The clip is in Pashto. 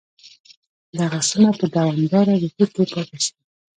دغه سیمه په دوامداره رکود کې پاتې شوه.